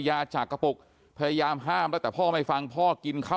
แล้วเขาก็กระดุกยากินเลยอีกอย่างเขามีเรื่องเชียดเยอะด้วยค่ะ